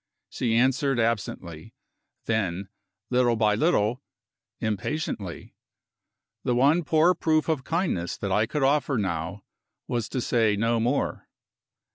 She answered absently then, little by little, impatiently. The one poor proof of kindness that I could offer, now, was to say no more.